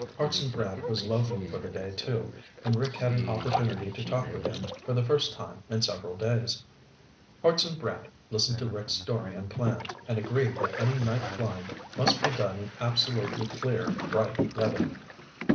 Hartson Brant was loafing for the day, too, and Rick had an opportunity to talk with him for the first time in several days. Hartson Brant listened to Rick's story and plans, and agreed that any night flying must be done in absolutely clear, bright weather.